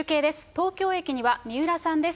東京駅には三浦さんです。